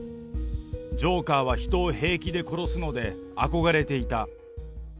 ジョーカーは人を平気で殺すので、憧れていた。